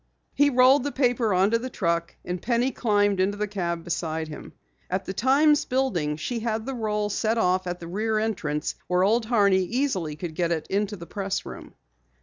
He rolled the paper onto the truck, and Penny climbed into the cab beside him. At the Times building she had the roll set off at the rear entrance where Old Horney easily could get it to the press room.